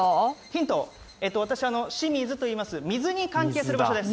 私、清水といいます、水に関係する場所です。